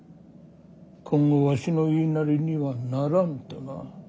今後わしの言いなりにはならぬとな。